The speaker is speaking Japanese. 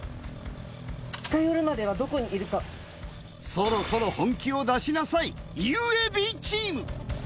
そろそろ本気を出しなさいＵＡＢチーム！